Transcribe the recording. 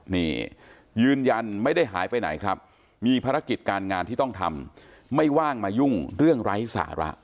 นี่ยืนยันไม่ได้หายไปไหนครับมีภารกิจการงานที่ต้องทำไม่ว่างมายุ่งเรื่องไร้สาระ